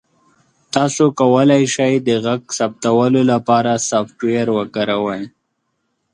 تاسو کولی شئ د غږ ثبتولو لپاره سافټویر وکاروئ.